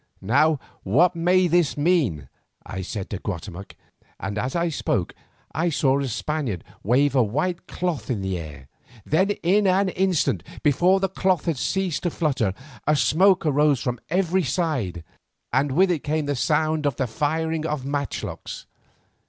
"Now what may this mean?" I said to Guatemoc, and as I spoke, I saw a Spaniard wave a white cloth in the air. Then, in an instant, before the cloth had ceased to flutter, a smoke arose from every side, and with it came the sound of the firing of matchlocks.